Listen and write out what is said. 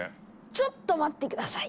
ちょっと待って下さい。